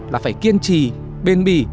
là phải kiên trì bền bì